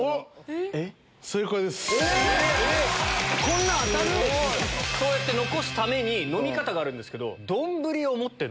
こんな当たる⁉そうやって残すために飲み方があるんですけど。